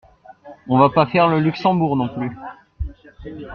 on va pas faire le Luxembourg non plus.